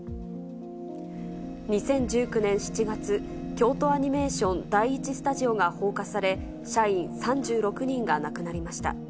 ２０１９年７月、京都アニメーション第１スタジオが放火され、社員３６人が亡くなりました。